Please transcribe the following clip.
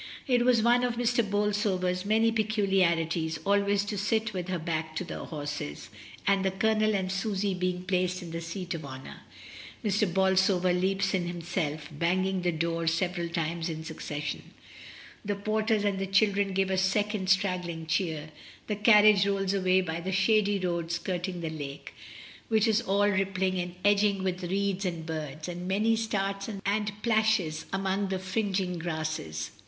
It was one of Mrs. Bolsover's many peculiarities always to sit with her back to the horses, and the Colonel and Susy being placed in the seat of honour, Mr. Bolsover leaps in himself, banging the door several times in succession. The porters and the children give a second straggling cheer, the carriage rolls away by the shady road skirting the lake, which is all rippling and edged with reeds and birds, and many starts and plashes among the fring ing grasses.